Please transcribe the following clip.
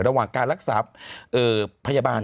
ระหว่างการรักษาพยาบาล